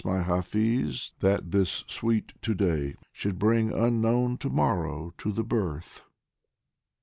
my Hafiz, that this sweet To day Should bring unknown To morrow to the birth